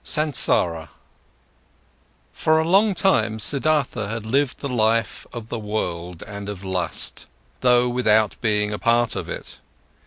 SANSARA For a long time, Siddhartha had lived the life of the world and of lust, though without being a part of it.